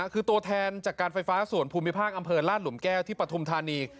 คือตัวแทนจากการไฟฟ้าส่วนภูมิภาคอำเภอลาดหลุมแก้วที่ปฐุมธานี